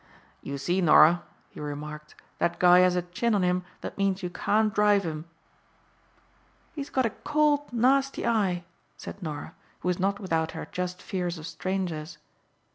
"You see, Norah," he remarked, "that guy has a chin on him that means you can't drive him." "He's got a cold, nasty eye," said Norah who was not without her just fears of strangers.